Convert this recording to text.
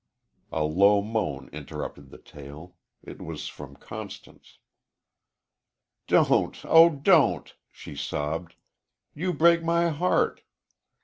A low moan interrupted the tale. It was from Constance. "Don't, oh, don't," she sobbed. "You break my heart!"